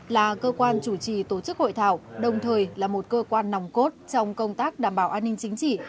là cơ quan chủ trì tổ chức hội thảo đồng thời là một cơ quan nòng cốt trong công tác đảm bảo an ninh chính trị